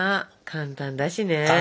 簡単だし。